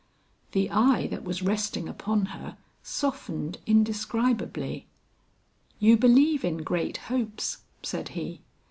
The eye that was resting upon her, softened indescribably. "You believe in great hopes," said he.